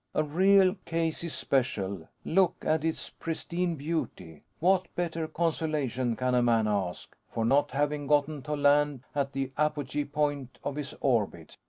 "A real 'Casey Special' look at its pristine beauty! What better consolation can a man ask, for not having gotten to land at the apogee point of his orbit?"